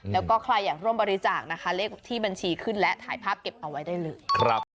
แล้วก็ใครอยากร่วมบริจาคนะคะเลขที่บัญชีขึ้นและถ่ายภาพเก็บเอาไว้ได้เลย